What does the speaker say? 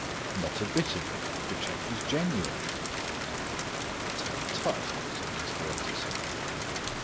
Not a bit of it. The cheque was genuine." "Tut tut!" said Mr. Utterson.